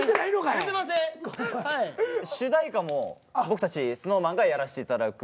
主題歌も僕たちＳｎｏｗＭａｎがやらせていただく。